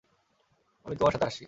আমি তোমার সাথে আসছি।